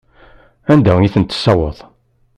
Anda i tent-tessewweḍ?